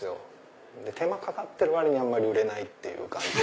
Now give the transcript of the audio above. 手間かかってる割にあんまり売れないっていう感じ。